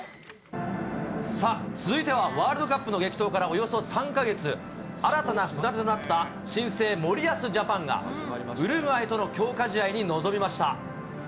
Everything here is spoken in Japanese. さあ、続いてはワールドカップの激闘からおよそ３か月、新たな船出となった新生森保ジャパンが、ウルグアイとの強化試合に臨みました。